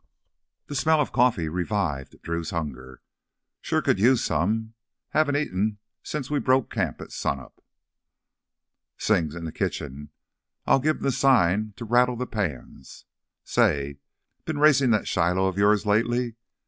The smell of coffee revived Drew's hunger. "Sure could use some. Haven't eaten since we broke camp at sunup." "Sing's in th' kitchen. I'll give him th' sign to rattle th' pans. Say—been racin' that Shiloh of yours lately?